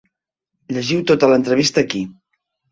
Llegiu tota l’entrevista aquí.